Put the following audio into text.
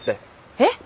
えっ！？